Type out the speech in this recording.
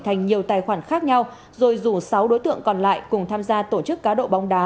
thành nhiều tài khoản khác nhau rồi rủ sáu đối tượng còn lại cùng tham gia tổ chức cá độ bóng đá